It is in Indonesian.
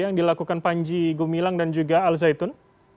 yang dilakukan panji gumilang dan juga al zaitun